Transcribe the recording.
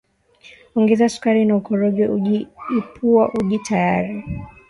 Ongeza sukari na ukoroge uji Ipua uji tayari